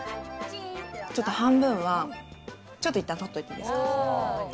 ちょっと半分はいったん取っておいていいですか。